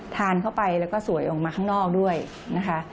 ทานเข้าไปแล้วก็สวยออกมาข้างนอกด้วยนะคะ